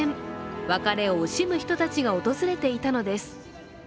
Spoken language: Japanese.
別れを惜しむ人たちが訪れていたのです。